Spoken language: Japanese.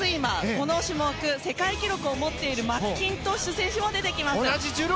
この種目世界記録を持っているマッキントッシュ選手も出てきます。